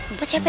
empat siapa ya